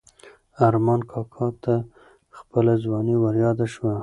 ارمان کاکا ته خپله ځواني وریاده شوه.